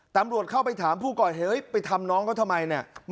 ตำรวจเข้าไปถามผู้ก่อยไปทำน้องก็ทำไมเนี่ย